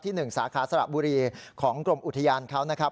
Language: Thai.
หนึ่งสาขาสระบุรีของกรมอุทยานเขานะครับ